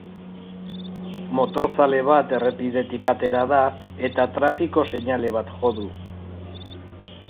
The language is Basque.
Motorzale bat errepidetik atera da eta trafiko seinale bat jo du.